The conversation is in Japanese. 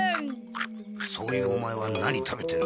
そういうお前は何食べてる？